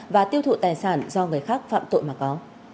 và tiêu thụ tài sản do người khác phạm tội mà có